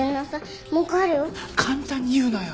簡単に言うなよ